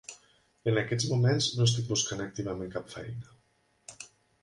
En aquests moments, no estic buscant activament cap feina.